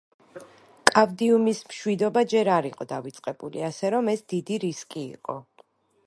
კავდიუმის მშვიდობა ჯერ არ იყო დავიწყებული, ასე რომ ეს დიდი რისკი იყო.